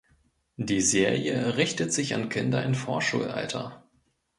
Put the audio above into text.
Die Serie richtet sich an Kinder im Vorschulalter.